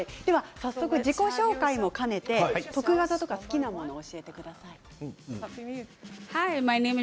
自己紹介も兼ねて得意技、好きなものを教えてください。